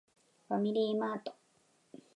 ファミリーマート